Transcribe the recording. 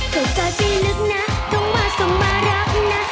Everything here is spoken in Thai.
โปรดต่อจีนลึกน่ะต้องว่าส่งมารับน่ะ